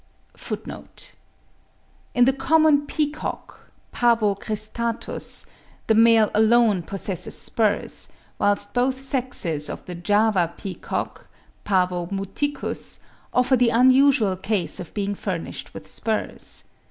(44. In the common peacock (Pavo cristatus) the male alone possesses spurs, whilst both sexes of the Java Peacock (P. muticus) offer the unusual case of being furnished with spurs.